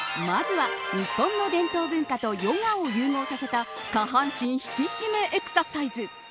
まずは、日本の伝統文化とヨガを融合させた下半身引き締めエクササイズ。